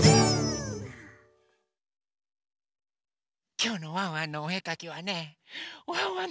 きょうのワンワンのおえかきはねワンワン